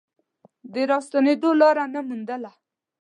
د راستنېدو لاره نه موندله.